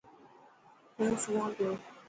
هون سوان پيو.